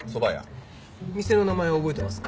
店の名前は覚えてますか？